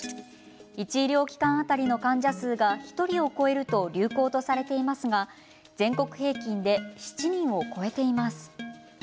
いち医療機関当たりの患者数が１人を超えると流行とされていますが全国平均で７人を超えています。